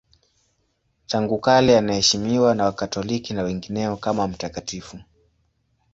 Tangu kale anaheshimiwa na Wakatoliki na wengineo kama mtakatifu.